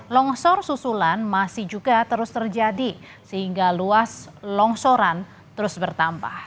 longsor susulan masih juga terus terjadi sehingga luas longsoran terus bertambah